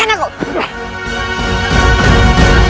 semua yang mungkin